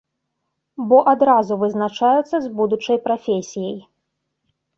Бо адразу вызначаюцца з будучай прафесіяй.